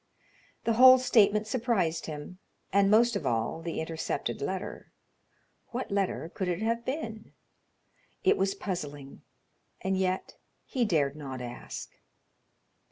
The whole statement surprised him, and, most of all, the intercepted letter. What letter could it have been? It was puzzling, and yet he dared not ask.